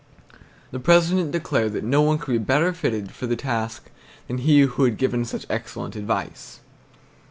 The president declared that no one could be better fitted for the task than he who had given such excellent advice.